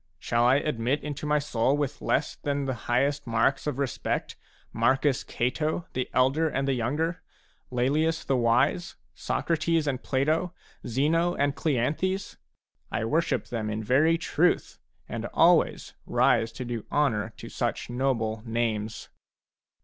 Shall I admit into my soul with less than the highest marks of respect Marcus Cato, the Elder and the Younger, Laelius the Wise, Socrates and Plato, Zeno and Cleanthes ? I worship them in very truth, and always rise to do honour to such noble names.